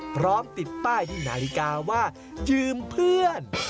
พร้อมติดป้ายที่นาฬิกาว่ายืมเพื่อน